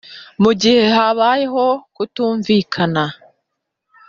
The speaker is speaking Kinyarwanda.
Mu gihe habayeho kutumvikana